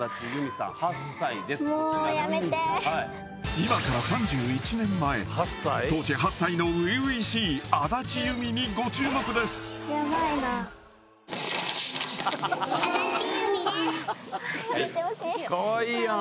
今から３１年前当時８歳の初々しい安達祐実にご注目ですかわいいやん！